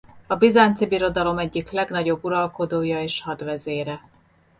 A Bizánci Birodalom egyik legnagyobb uralkodója és hadvezére.